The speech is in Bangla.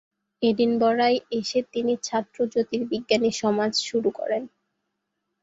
এডিনবরায় এসে তিনি ছাত্র জ্যোতির্বিজ্ঞানী সমাজ শুরু করেন।